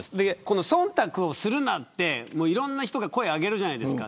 忖度をするなっていろんな人が声を挙げるじゃないですか。